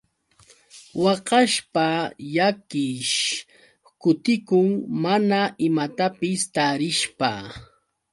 Waqashpa llakiish kutikun mana imatapis tarishpa.